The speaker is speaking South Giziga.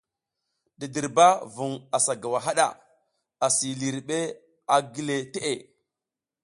Didirba vung asa gowa haɗa, asi lihiriɗ a gile teʼe.